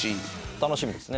楽しみですね。